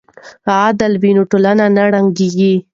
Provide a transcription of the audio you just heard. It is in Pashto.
که عدل وي نو ټولنه نه ړنګیږي.